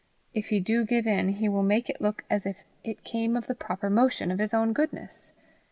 If he do give in, he will make it look as if it came of the proper motion of his own goodness.